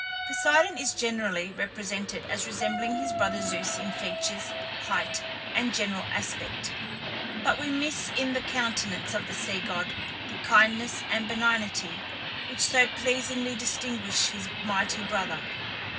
Poseidon is generally represented as resembling his brother Zeus in features, height, and general aspect; but we miss in the countenance of the sea god the kindness and benignity which so pleasingly distinguish his mighty brother.